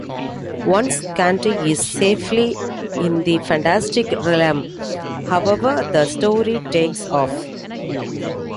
Once Candy is safely in the fantastical realm, however, the story takes off.